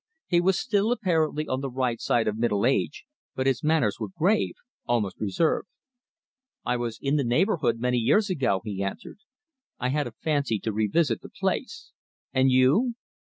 He was still apparently on the right side of middle age, but his manners were grave, almost reserved. "I was in the neighbourhood many years ago," he answered. "I had a fancy to revisit the place. And you?"